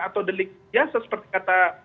atau delik biasa seperti kata